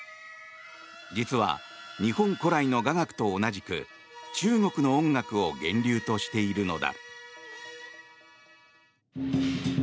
実は、日本古来の雅楽と同じく中国の音楽を源流としているのだ。